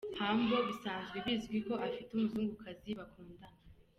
Humble bisanzwe bizwi ko afite umuzungukazi bakundana.